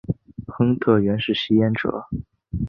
亨特原是吸烟者。